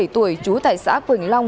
hai mươi bảy tuổi trú tại xã quỳnh long